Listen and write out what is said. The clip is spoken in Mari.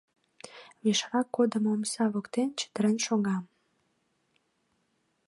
Вишрак кодымо омса воктен чытырен шога.